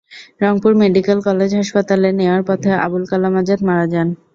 Rangpur medical college হাসপাতালে নেওয়ার পথে আবুল কালাম আজাদ মারা যান।